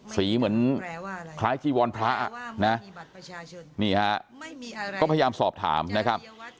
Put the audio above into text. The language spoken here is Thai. เหมือนคล้ายจีวรพระนะนี่ฮะก็พยายามสอบถามนะครับ